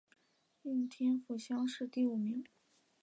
应天府乡试第五名。